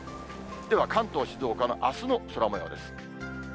では関東、静岡のあすの空もようです。